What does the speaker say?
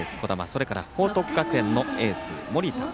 それから報徳学園のエース盛田。